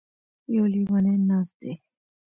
يـو ليونی نـاست دی.